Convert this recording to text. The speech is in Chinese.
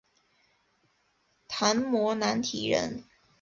昙摩难提人。